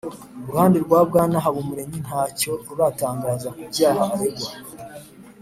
Uruhande rwa Bwana Habumuremyi ntacyo ruratangaza ku byaha aregwa